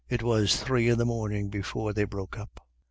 It was three in the morning before they broke up!!!